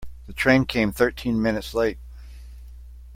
The train came thirteen minutes late.